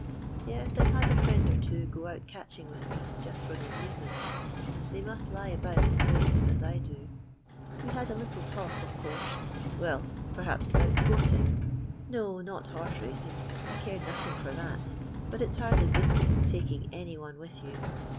Yes, I 've had a friend or two go out catching with me just for the amusement. They must lie about and wait as I do. We hare a little talk of course : well, perhaps about iport ing ; no, not horse racing, I care nothing for that, but it 's hardly business taking any one with yon.